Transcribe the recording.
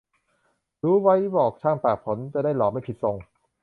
รู้ไว้บอกช่างตัดผม จะได้หล่อไม่ผิดทรง